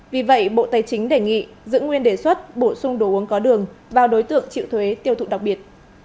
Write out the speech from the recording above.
vì vậy bộ tài chính đề nghị giữ nguyên đề xuất bổ sung đồ uống có đường vào đối tượng chịu thuế tiêu thụ đặc biệt